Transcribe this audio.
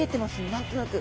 何となく。